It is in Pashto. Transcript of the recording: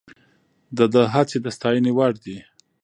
د ده هڅې د ستاینې وړ دي.